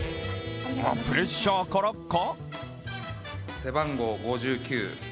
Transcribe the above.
プレッシャーからか？